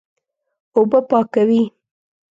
اوبه پاکوي.